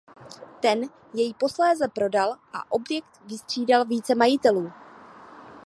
Ten jej posléze prodal a objekt vystřídal více majitelů.